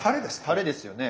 たれですよね。